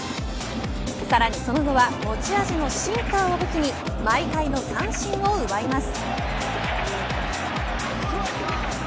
さらにその後は持ち味のシンカーを武器に毎回の三振を奪います。